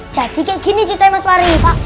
jadi kayak gini ceritain mas wary pak